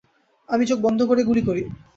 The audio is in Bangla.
আমি চোখ বন্ধ করে গুলি করি।